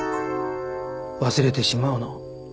忘れてしまうの。